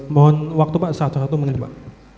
mohon waktu pak satu satu menit pak